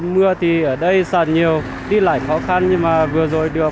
mưa thì ở đây sạt nhiều đi lại khó khăn nhưng mà vừa rồi được